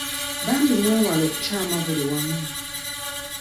Bambi mwewale okukyama buli wamu.